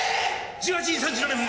１８時３７分